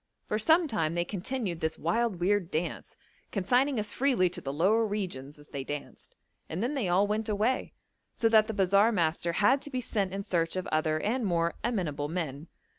For some time they continued this wild weird dance, consigning us freely to the lower regions as they danced, and then they all went away, so that the bazaar master had to be sent in search of other and more amenable men.